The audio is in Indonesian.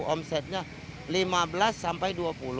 omsetnya lima belas sampai dua puluh